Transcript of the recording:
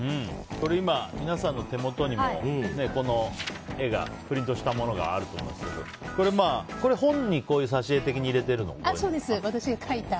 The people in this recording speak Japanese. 今、皆さんの手元にもこの絵をプリントしたものがあると思いますけどこれ、本にこういう挿し絵的にそうです、私が描いた。